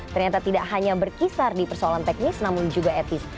ternyata tidak hanya berkisar di persoalan teknis namun juga etis